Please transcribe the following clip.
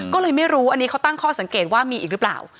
ก็เลยไม่รู้อันนี้เขาตั้งข้อสังเกตว่ามีอีกหรือเปล่า